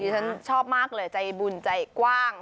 ฉันชอบมากเลยใจบุญใจกว้าง